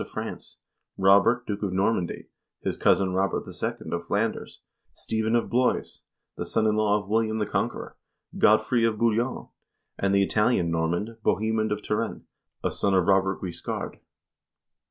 of France, Robert, Duke of Normandy, his cousin Robert II. of Flanders, Stephen of Blois, the son in law of William the Conqueror, Godfrey of Bouillon, and the Italian Norman, Bohemund of Tarent, a son of Robert Guiscard.